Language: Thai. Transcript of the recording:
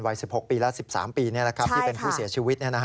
วัย๑๖ปีและ๑๓ปีที่เป็นผู้เสียชีวิต